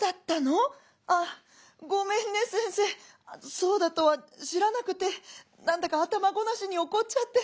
そうだとは知らなくて何だか頭ごなしに怒っちゃって。